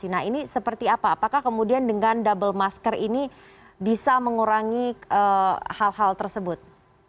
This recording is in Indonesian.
nah ini seperti apa apakah kemudian dengan double masker ini bisa mengurangi hal hal tersebut